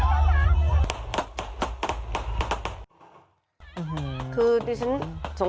สวัสดีทุกคน